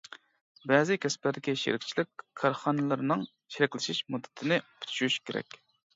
بەزى كەسىپلەردىكى شېرىكچىلىك كارخانىلىرىنىڭ شېرىكلىشىش مۇددىتىنى پۈتۈشۈش كېرەك.